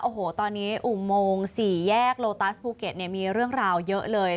โอ้โหตอนนี้อุโมง๔แยกโลตัสภูเก็ตมีเรื่องราวเยอะเลย